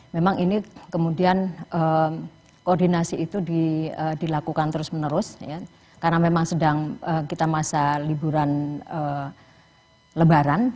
memang ini kemudian koordinasi itu dilakukan terus menerus karena memang sedang kita masa liburan lebaran